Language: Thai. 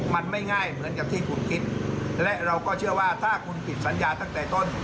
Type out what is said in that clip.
มันไม่ง่ายเหมือนกับที่คุณคิดและเราก็เชื่อว่าถ้าคุณผิดสัญญาตั้งแต่ต้น